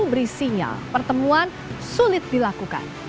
beri sinyal pertemuan sulit dilakukan